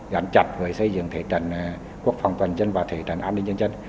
gắn chặt với xây dựng thể trận quốc phòng toàn dân và thể trận an ninh dân dân